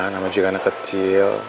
nama juga anak kecil